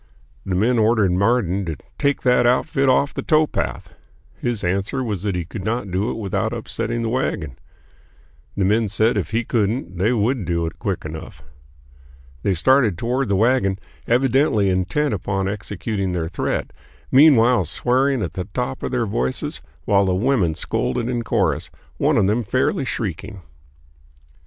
The men ordered Marden to "take that outfit off the towpath." His answer was that he could not do it without upsetting the wagon. The men said if he couldn't they would do it quick enough. They started toward the wagon, evidently intent upon executing their threat, meanwhile swearing at the top of their voices while the women scolded in chorus, one of them fairly shrieking.